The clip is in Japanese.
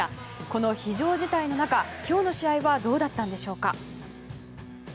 この非常事態の中、今日の試合はどうだったんでしょうか。